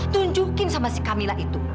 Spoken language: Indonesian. tunjukin sama si camilla itu